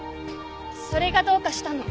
それがどうかしたの？